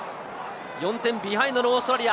４点ビハインドのオーストラリア。